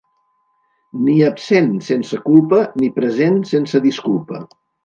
Ni absent sense culpa, ni present sense disculpa.